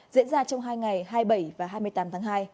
diễn ra trong hai ngày hai mươi bảy và hai mươi tám tháng hai